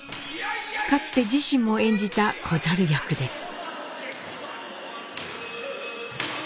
かつて自身も演じた小猿役です。